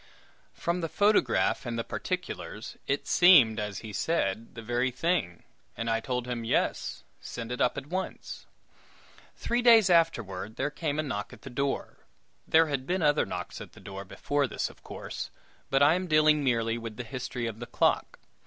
From the photograph and the particulars, it seemed, as he said, the very thing, and I told him, "Yes; send it up at once." Three days afterward, there came a knock at the door there had been other knocks at the door before this, of course; but I am dealing merely with the history of the clock.